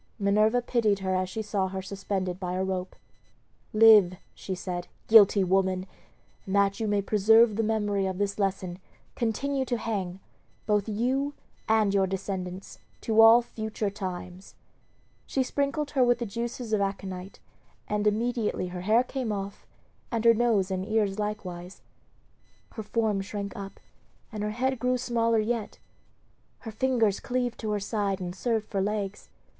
Minerva pitied her as she saw her suspended by a rope. "Live," she said, "guilty woman! and that you may preserve the memory of this lesson, continue to hang, both you and your descendants, to all future times." She sprinkled her with the juices of aconite, and immediately her hair came off, and her nose and ears likewise. Her form shrank up, and her head grew smaller yet; her fingers cleaved to her side and served for legs.